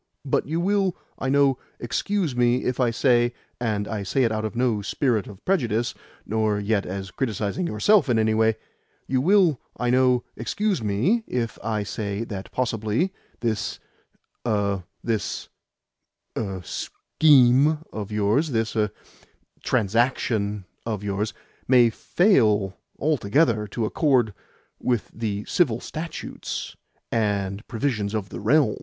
"But you will, I know, excuse me if I say (and I say it out of no spirit of prejudice, nor yet as criticising yourself in any way) you will, I know, excuse me if I say that possibly this er this, er, SCHEME of yours, this er TRANSACTION of yours, may fail altogether to accord with the Civil Statutes and Provisions of the Realm?"